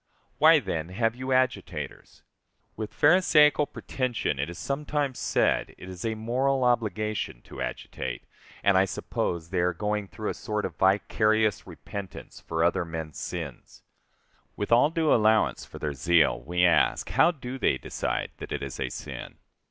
Why, then, have you agitators? With Pharisaical pretension it is sometimes said it is a moral obligation to agitate, and I suppose they are going through a sort of vicarious repentance for other men's sins. With all due allowance for their zeal, we ask, how do they decide that it is a sin?